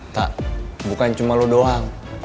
tak bukan cuma lo doang